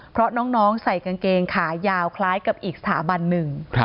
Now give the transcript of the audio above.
เพราะน้องใส่กางเกงขายาวคล้ายกับอีกสถาบันหนึ่ง